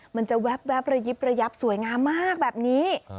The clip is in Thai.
มันจะแว๊บระยิบระยับสวยงามมากแบบนี้